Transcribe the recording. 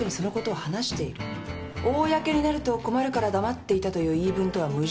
公になると困るから黙ってたという言い分とは矛盾する。